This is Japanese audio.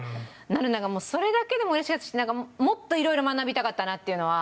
だからそれだけでも嬉しかったしなんかもっと色々学びたかったなっていうのはありますね。